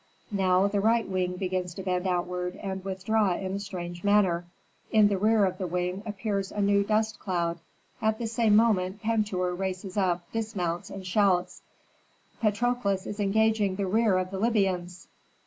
Now the right wing begins to bend outward and withdraw in a strange manner. In the rear of the wing appears a new dust cloud. At the same moment Pentuer races up, dismounts, and shouts, "Patrokles is engaging the rear of the Libyans!"